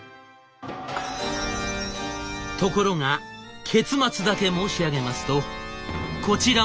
ところが結末だけ申し上げますとこちらも大失敗。